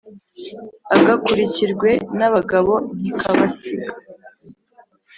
Agakurikirwe n’abagabo ntikabasig